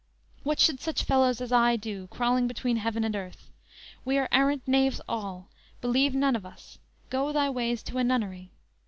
What should such fellows as I do Crawling between heaven and earth? We are arrant knaves all, believe none of us Go thy ways to a nunnery!